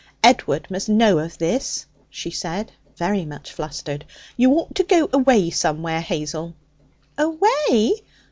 'Edward must know of this,' she said, very much flustered. 'You ought to go away somewhere, Hazel.' 'Away?